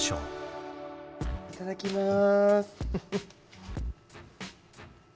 いただきます。